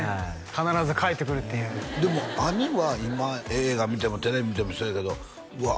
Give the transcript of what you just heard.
必ず返ってくるっていうでも兄は今映画見てもテレビ見てもそうやけどうわ